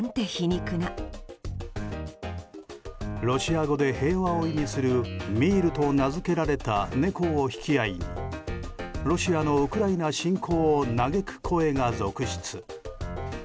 ロシア語で平和を意味するミールと名付けられた猫を引き合いにロシアのウクライナ侵攻を嘆く声が続出。